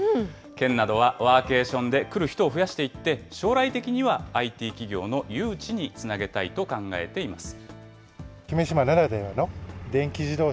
県などはワーケーションで来る人を増やしていって、将来的にはＩＴ企業の誘致につなげたいと考えています。